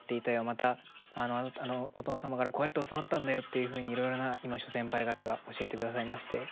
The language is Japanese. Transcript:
また「お父様からこうやって教わったんだよ」っていうふうにいろいろな今諸先輩方が教えてくださいまして。